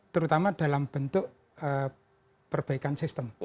terutama dalam bentuk perbaikan sistem